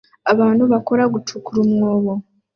Abantu bakora gucukura umwobo